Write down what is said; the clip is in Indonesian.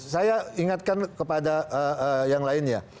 saya ingatkan kepada yang lainnya